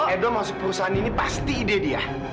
edo masuk perusahaan ini pasti ide dia